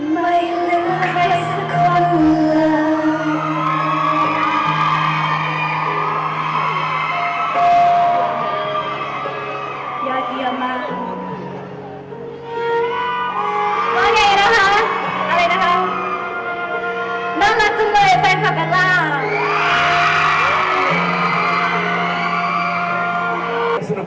ไม่ลืมใครสักคนหลัง